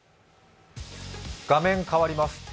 画面変わります。